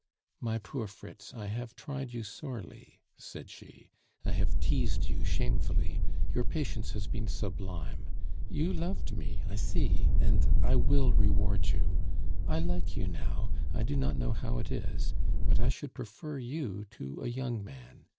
"My poor Fritz, I have tried you sorely," said she. "I have teased you shamefully. Your patience has been sublime. You loved me, I see, and I will reward you. I like you now, I do not know how it is, but I should prefer you to a young man.